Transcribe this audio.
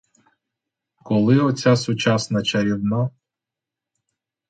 Коли оця сучасна чарівна?